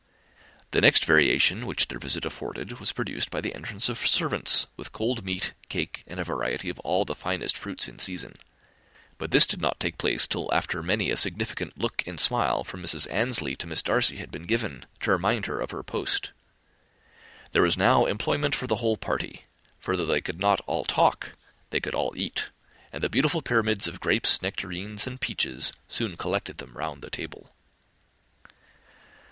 The next variation which their visit afforded was produced by the entrance of servants with cold meat, cake, and a variety of all the finest fruits in season; but this did not take place till after many a significant look and smile from Mrs. Annesley to Miss Darcy had been given, to remind her of her post. There was now employment for the whole party; for though they could not all talk, they could all eat; and the beautiful pyramids of grapes, nectarines, and peaches, soon collected them round the table.